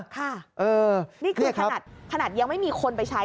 ค่ะนี่คือขนาดยังไม่มีคนไปใช้